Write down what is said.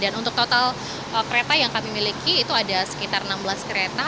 dan untuk total kereta yang kami miliki itu ada sekitar enam belas kereta